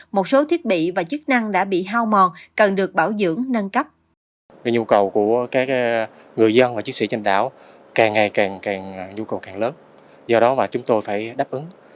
một số thiết bị và chức năng đã bị hao mòn cần được bảo dưỡng nâng cấp